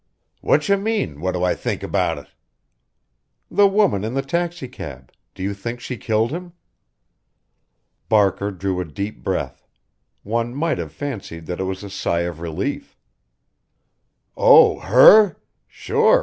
"Whatcha mean, what do I think about it?" "The woman in the taxicab do you think she killed him?" Barker drew a deep breath. One might have fancied that it was a sigh of relief. "Oh, her? Sure!